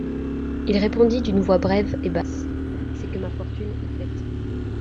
Il répondit d'une voix brève et basse : C'est que ma fortune est faite.